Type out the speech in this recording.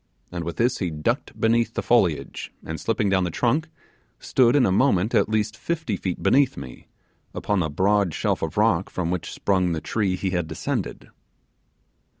and with this he ducked beneath the foliage, and slipping down the trunk, stood in a moment at least fifty feet beneath me, upon the broad shelf of rock from which sprung the tree he had descended.